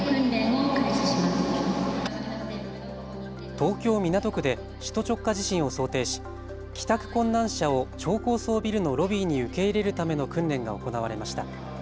東京港区で首都直下地震を想定し帰宅困難者を超高層ビルのロビーに受け入れるための訓練が行われました。